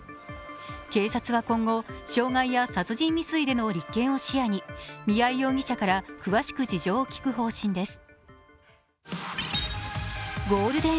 警察は今後、傷害や殺人未遂での立件を視野に、宮井容疑者から詳しく事情を聴く方針です。